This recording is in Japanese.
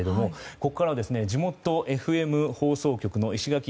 ここからは地元ＦＭ放送局のいしがき